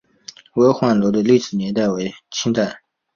巍焕楼的历史年代为清代。